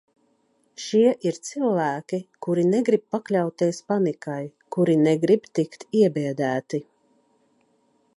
Šie ir cilvēki, kuri negrib pakļauties panikai, kuri negrib tikt iebiedēti.